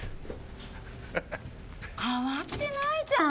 変わってないじゃん！